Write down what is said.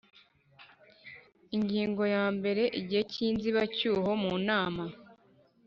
Ingingo ya mbere Igihe cy inzibacyuho mu nama